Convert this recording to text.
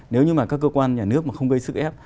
nếu như mà các cơ quan nhà nước mà không gây sức ép